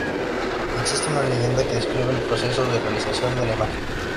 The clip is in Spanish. Existe una leyenda que describe el proceso de realización de la imagen.